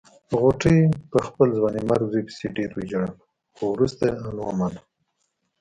غوټۍ په خپل ځوانيمرګ زوی پسې ډېر وژړل خو روسته يې ان ومانه.